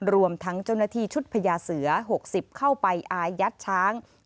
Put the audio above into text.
รวมทั้งเจ้าหน้าที่ชุดพญาเสือ๖๐เข้าไปอายัดช้าง